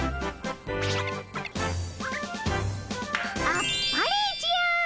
あっぱれじゃ。